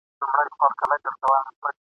پکښي ګرځېدې لښکري د آسونو ..